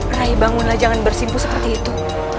rai bangunlah jangan bersimpu seperti itu